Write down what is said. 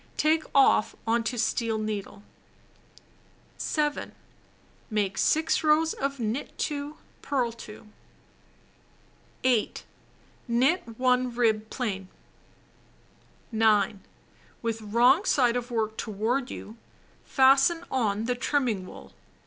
Take off on to steel needle. 7. Make 6 rows of knit 2, purl 2. 8. Knit 1 rib plain. 9. With wrong side of work toward you, fasten on the trim ming wool.